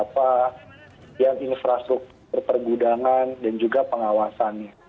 pastu perpergudangan dan juga pengawasannya